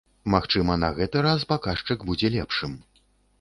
Магчыма, на гэты раз паказчык будзе лепшым.